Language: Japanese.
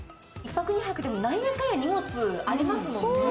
１泊２泊でもなんやかんや荷物ありますもんね。